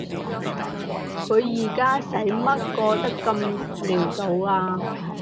佢而家使乜過得咁潦倒啊？